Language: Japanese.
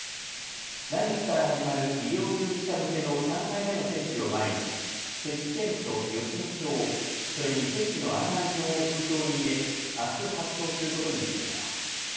来月から始まる医療従事者向けの３回目の接種を前に接種券と予診票、それに接種の案内状を封筒に入れ、あす発送することにしています。